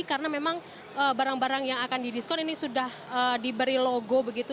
karena memang barang barang yang akan didiskon ini sudah diberi logo begitu